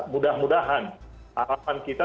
mudah mudahan harapan kita